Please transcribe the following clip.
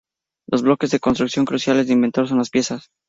Los bloques de construcción cruciales de Inventor son las "piezas".